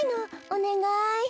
おねがい。